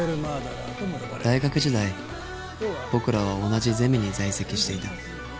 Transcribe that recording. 大学時代僕らは同じゼミに在籍していた。